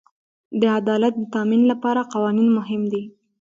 د عدالت د تامین لپاره قوانین مهم دي.